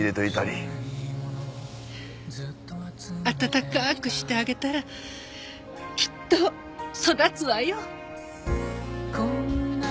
あたたかくしてあげたらきっと育つわよ。